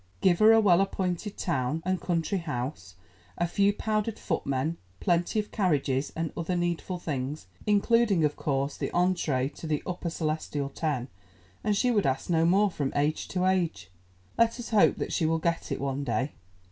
Give her a well appointed town and country house, a few powdered footmen, plenty of carriages, and other needful things, including of course the entrée to the upper celestial ten, and she would ask no more from age to age. Let us hope that she will get it one day.